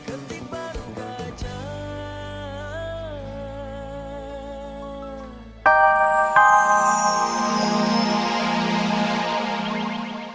terima kasih atin